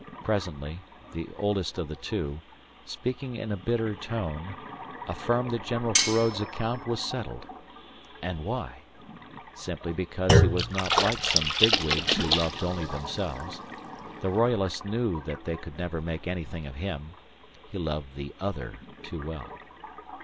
Presently, the oldest of the two, speaking in a bitter tone, affirmed that General Feraud's account was settled. And why? Simply because he was not like some big wigs who loved only themselves. The royalists knew that they could never make anything of him. He loved the Other too well.